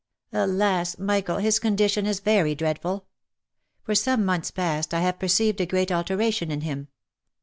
Alas ! Michael, his condition is very dreadful ! For some months past, I have perceived a great alteration in him.